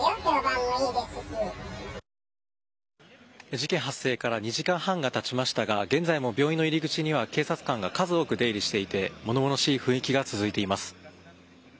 事件発生から２時間半が経ちましたが現在も病院の入り口には警察官が数多く出入りしていて物々しい雰囲気が続いています。